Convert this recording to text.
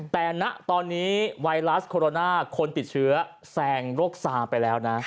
แต่ณตอนนี้ไวรัสโคโรนาคนติดเชื้อแซงโรคซาไปแล้วนะ